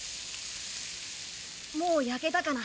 もう焼けたかな。